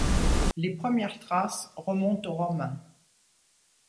Les premières traces remontent aux Romains.